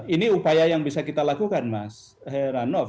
ini upaya yang bisa kita lakukan mas heranov